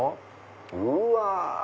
うわ！